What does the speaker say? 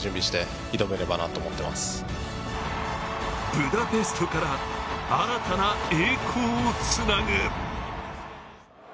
ブダペストから新たな栄光をつなぐ。